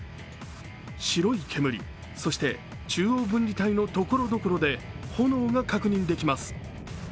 白い煙、そして中央分離帯のところどころで炎が確認できます。